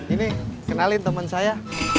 ini kenalin temen saya